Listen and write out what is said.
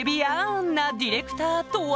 ンなディレクターとは？